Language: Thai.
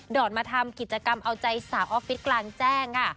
อดมาทำกิจกรรมเอาใจสาวออฟฟิศกลางแจ้งค่ะ